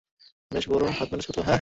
বেশ বড় হাত মেরেছো, তো।